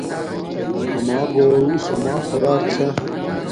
اما گوروس اما خوراک چھا